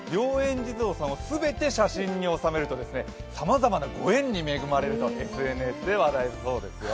地蔵さんを全て写真に収めるとさまざまなご縁に恵まれるとＳＮＳで話題だそうですよ。